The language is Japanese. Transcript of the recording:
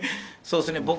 そうですね